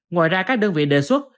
ngoài ra các đơn vị đề xuất